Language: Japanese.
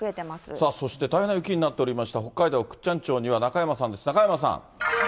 さあそして大変な雪になっておりました、北海道倶知安町には中山さんです、中山さん。